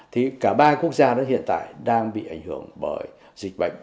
thì cả ba quốc gia đó hiện tại đang bị ảnh hưởng bởi dịch bệnh